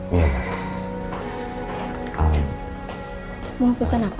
karena mungkin aku gak punya terlalu banyak waktu